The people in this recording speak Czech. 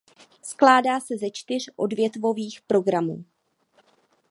Skládá se ze čtyř odvětvových programů.